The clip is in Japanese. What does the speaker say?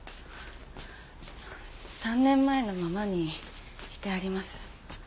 ３年前のままにしてあります。